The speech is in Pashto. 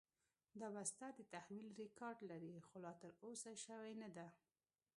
دا بسته د تحویل ریکارډ لري، خو لا ترلاسه شوې نه ده.